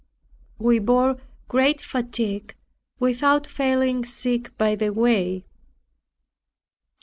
We bore great fatigue without falling sick by the way.